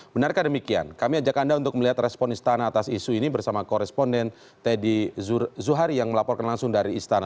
benarkah demikian kami ajak anda untuk melihat respon istana atas isu ini bersama koresponden teddy zuhari yang melaporkan langsung dari istana